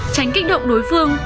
tránh kích động đối phương